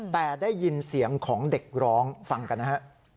แต่ได้ยินเสียงของเด็กร้องฟังกันนะฮะ